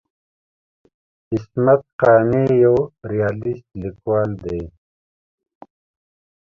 عصمت قانع یو ریالیست لیکوال دی.